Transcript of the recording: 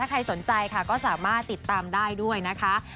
ใครสนใจค่ะก็สามารถติดตามได้ด้วยนะคะ